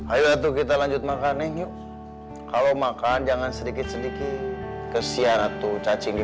ayo tuh kita lanjut makanan yuk kalau makan jangan sedikit sedikit kesian atuh cacing di